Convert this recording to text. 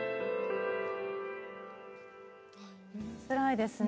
つらいですね。